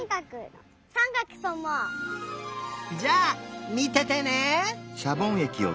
じゃあみててね！